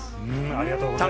ありがとうございます。